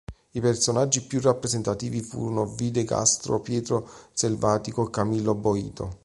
I progettisti più rappresentativi furono V. de Castro, Pietro Selvatico e Camillo Boito.